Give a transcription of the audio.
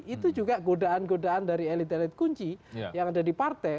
itu juga godaan godaan dari elit elit kunci yang ada di partai